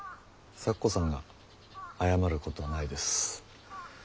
咲子さんが謝ることはないです。